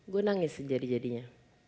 gue nangis jadi jadinya